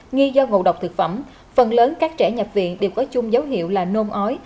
nghi do ngộ độc thực phẩm phần lớn các trẻ nhập viện đều có chung dấu hiệu là nôn ói